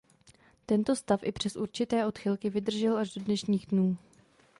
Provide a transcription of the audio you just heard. Tento stav i přes určité odchylky vydržel až do dnešních dnů.